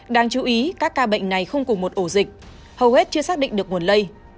đáng chú ý các ca bệnh này không cùng một ổ dịch hầu hết chưa xác định được nguồn lây